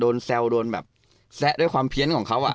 แซวโดนแบบแซะด้วยความเพี้ยนของเขา